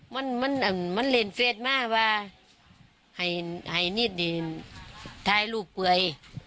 มันมันอ่ามันเรียนเฟสมากว่าให้ให้นี่ดิทายลูกกว่าไอ้